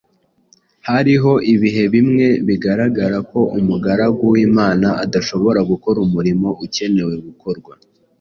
Hariho ibihe bimwe bigaragara ko umugaragu w’Imana adashobora gukora umurimo ukenewe gukorwa